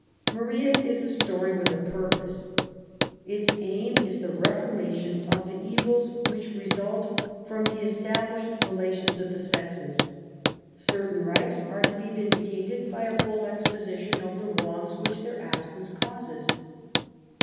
Maria is a story with a purpose. Its aim is the reformation of the evils which result from the esta blished relations of the sexes. Certain rights are to be vindicated by a full exposition of the wrongs which their absence causes.